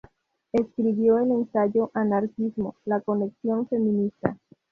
Escribió el ensayo "Anarquismo: La conexión feminista".